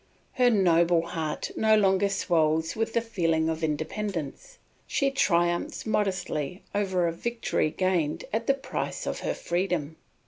Her noble heart no longer swells with the feeling of independence. She triumphs modestly over a victory gained at the price of her freedom.